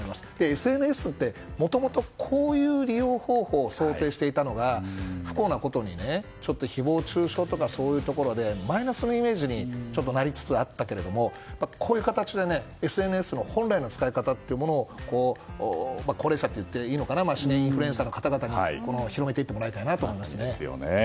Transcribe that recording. ＳＮＳってもともとこういう利用方法を想定してたのが、不幸なことに誹謗中傷とかそういうところでマイナスのイメージになりつつあったけれどもこういう形でＳＮＳの本来の使い方というものを高齢者といっていいのかなインフルエンサーの方々に広めていってもらいたいなと思いますね。